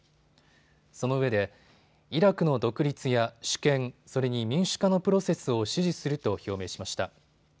そのうえでイラクの独立や主権、それに民主化のプロセスを支持すると表明しました。